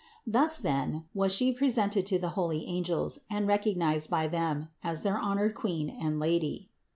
Thus then, was She presented to the holy angels, THE INCARNATION 89 and recognized by them, as their honored Queen and Lady.